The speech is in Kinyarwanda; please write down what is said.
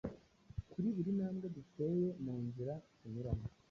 Kuri buri ntambwe duteye mu nzira tunyuramo